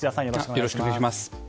よろしくお願いします。